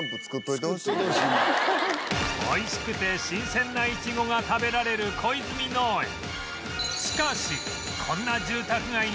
おいしくて新鮮なイチゴが食べられる小泉農園